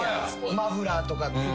マフラーとか服。